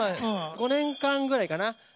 ５年間くらいかな